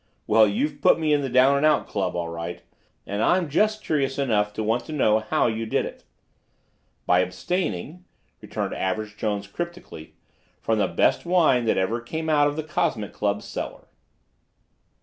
"Well, you've put me in the Down and Out Club, all right. And I'm just curious enough to want to know how you did it." "By abstaining," returned Average Jones cryptically, "from the best wine that ever came out of the Cosmic Club cellar."